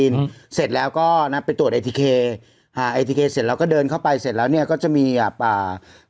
เราก็เดินเข้าไปเสร็จแล้วเนี่ยก็จะมีลำบั้ย